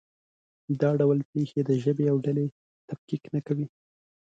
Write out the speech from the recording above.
دا ډول پېښې د ژبې او ډلې تفکیک نه کوي.